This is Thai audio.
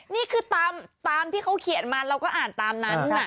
นี่คือตามที่เขาเขียนมาเราก็อ่านตามนั้น